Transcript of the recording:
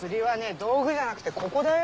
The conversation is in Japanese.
道具じゃなくてここだよ。